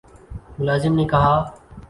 ملازم نے کہا